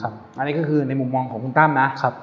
อันนี้ก็คือในมุมมองของคุณตั้มนะ